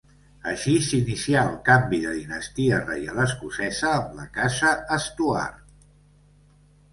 Així s'inicià el canvi de dinastia reial escocesa amb la casa Estuard.